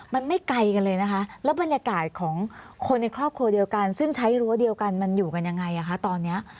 มันไม่ไกลกันเลยนะคะแล้วบรรยากาศของคนในครอบครัวเดียวกันซึ่งใช้รั้วเดียวกันมันอยู่กันยังไงคะตอนนี้